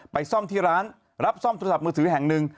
ซ่อมที่ร้านรับซ่อมโทรศัพท์มือถือแห่งหนึ่ง